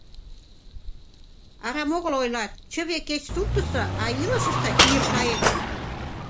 Арам огыл ойлат: «Чыве кеч суртысо, а илышыште — ир кайык».